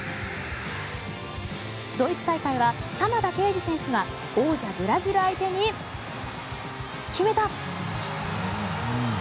ドイツ大会は玉田圭司選手が王者、ブラジル相手に決めた！